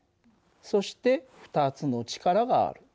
そして２つの力がある。